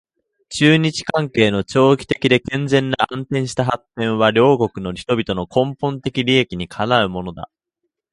中日関係の長期的で健全な安定した発展は両国の人々の根本的利益にかなうものだ